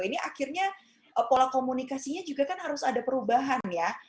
ini akhirnya pola komunikasinya juga kan harus ada perubahan ya